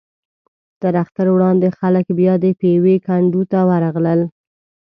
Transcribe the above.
تر اختر وړاندې خلک بیا د پېوې کنډو ته ورغلل.